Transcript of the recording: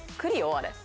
あれ。